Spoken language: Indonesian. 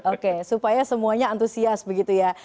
oke supaya semuanya antusias begitu ya